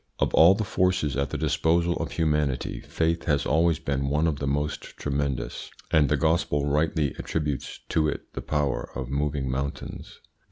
Of all the forces at the disposal of humanity, faith has always been one of the most tremendous, and the gospel rightly attributes to it the power of moving mountains.